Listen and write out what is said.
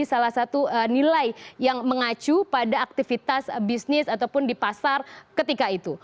jadi salah satu nilai yang mengacu pada aktivitas bisnis ataupun di pasar ketika itu